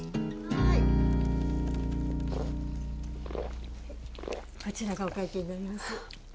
・はいこちらがお会計になります